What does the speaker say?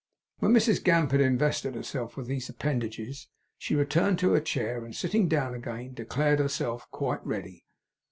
When Mrs Gamp had invested herself with these appendages she returned to her chair, and sitting down again, declared herself quite ready.